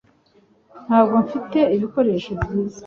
Ntabwo mfite ibikoresho byiza